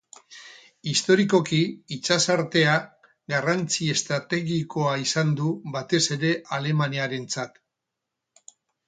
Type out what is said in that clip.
Historikoki, itsasarteak garrantzi estrategikoa izan du, batez ere Alemaniarentzat.